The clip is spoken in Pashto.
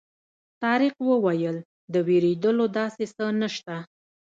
طارق وویل د وېرېدلو داسې څه نه شته.